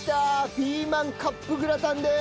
ピーマンカップグラタンです！